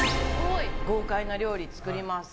豪快な料理、作ります。